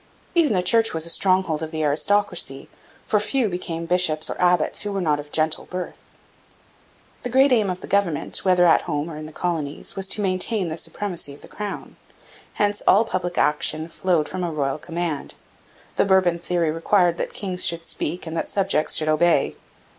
Even the Church was a stronghold of the aristocracy, for few became bishops or abbots who were not of gentle birth. The great aim of government, whether at home or in the colonies, was to maintain the supremacy of the crown. Hence all public action flowed from a royal command. The Bourbon theory required that kings should speak and that subjects should obey.